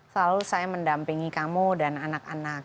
selalu saya mendampingi kamu dan anak anak